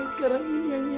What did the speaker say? bisa param industri ya